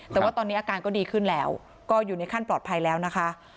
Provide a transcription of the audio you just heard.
แต่ว่าตอนนี้อาการก็ดีขึ้นแล้วก็อยู่ในขั้นปลอดภัยแล้วนะคะ